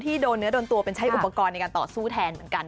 ที่โดนเนื้อดนตัวเป็นใช้อุปกรณ์ในการต่อสู้แทน